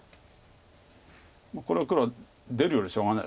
これは黒は出るよりしょうがないですよね。